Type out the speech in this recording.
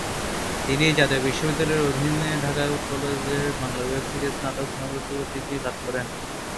তিনি জাতীয় বিশ্ববিদ্যালয়ের অধীন ঢাকা কলেজের বাংলা বিভাগ থেকে স্নাতক স্নাতকোত্তর ডিগ্রি লাভ করেন।